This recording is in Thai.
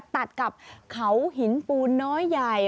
ตัดกับเขาหินปูนน้อยใหญ่